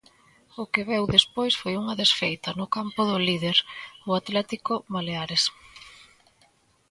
O que veu despois foi unha desfeita no campo do líder, o Atlético Baleares.